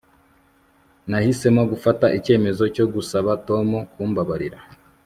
Nahisemo gufata icyemezo cyo gusaba Tom kumbabarira